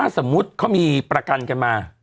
สมมุติเขามีประกันกันมา